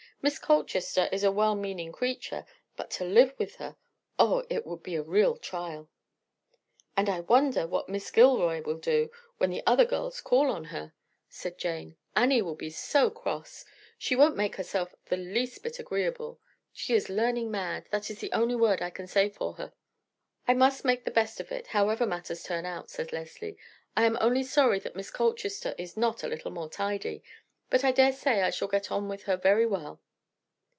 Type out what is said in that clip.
"Miss Colchester is a well meaning creature; but to live with her—oh, it would be a real trial!" "And I wonder what Miss Gilroy will do when the other girls call on her," said Jane. "Annie will be so cross; she won't make herself the least bit agreeable. She is learning mad; that is the only word I can say for her." "I must make the best of it, however matters turn out," said Leslie. "I am only sorry that Miss Colchester is not a little more tidy; but I dare say I shall get on with her very well."